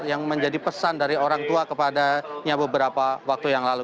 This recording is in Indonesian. yang menjadi pesan dari orang tua kepadanya beberapa waktu yang lalu